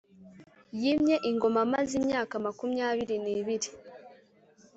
yimye ingoma amaze imyaka makumyabiri n ibiri